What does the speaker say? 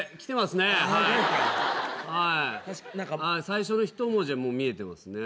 最初の一文字はもう見えてますね。